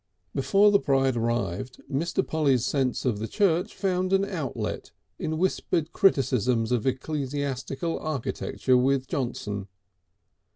Before the bride arrived Mr. Polly's sense of the church found an outlet in whispered criticisms of ecclesiastical architecture with Johnson.